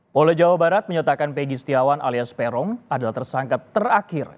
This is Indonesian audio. pola jawa barat menyatakan peggy setiawan alias perong adalah tersangka terakhir